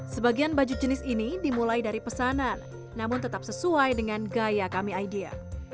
sebagian baju jenis ini dimulai dari pesanan namun tetap sesuai dengan gaya kami idea